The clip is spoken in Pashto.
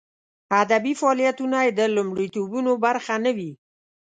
ادبي فعالیتونه یې د لومړیتوبونو برخه نه وي.